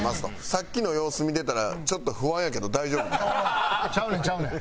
さっきの様子見てたらちょっと不安やけど大丈夫？ちゃうねんちゃうねん。